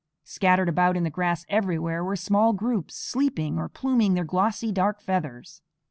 Scattered about in the grass everywhere were small groups, sleeping, or pluming their glossy dark feathers.